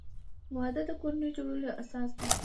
وادۀ د کورنۍ جوړولو اساس دی.